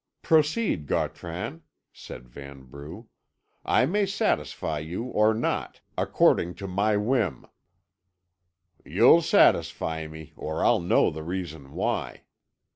"Proceed, Gautran," said Vanbrugh; "I may satisfy you or not, according to my whim." "You'll satisfy me, or I'll know the reason why.